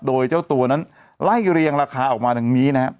โดยเจ้าตัวนั้นไล่เรียงราคาออกมาดังนี้นะครับ